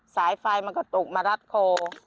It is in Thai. สายไฟมันก็ตกมารัดโค